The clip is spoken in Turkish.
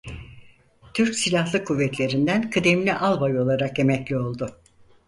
Türk Silahlı Kuvvetlerinden kıdemli albay olarak emekli oldu.